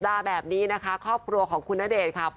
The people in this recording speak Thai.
ลาแบบนี้นะคะครอบครัวของคุณณเดชน์ค่ะ